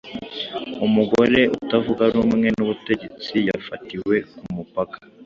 umugore utavuga rumwe n’ubutegetsi yafatiwe k’umupaka